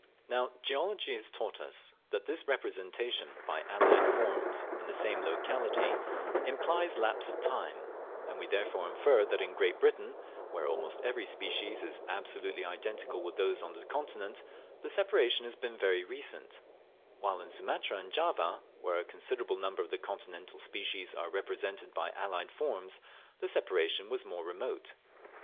Now, geology has taught us that this representation by allied forms in the same locality implies lapse of time, and we therefore infer that in Great Britain, where almost every species is absolutely identical with those on the Continent, the separation has been very recent; while in Sumatra and Java, where a considerable number of the continental species are represented by allied forms, the separation was more remote.